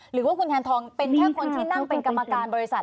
หรือว่าคุณแทนทองเป็นแค่คนที่นั่งเป็นกรรมการบริษัท